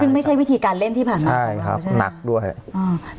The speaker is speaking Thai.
ซึ่งไม่ใช่วิธีการเล่นที่ผ่านมาใช่ครับหนักด้วยอ่า